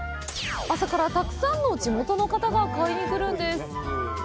朝からたくさんの地元の方が買いに来るんです。